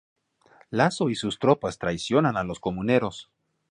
Lasso y sus tropas traicionan a los comuneros.